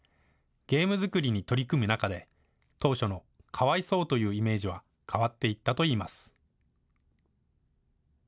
ゲーム作りに取り組む中で当初のかわいそうというイメージは変わっていったといいます。